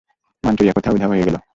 Manchuria কোথায় উধাও হয়ে গেলো?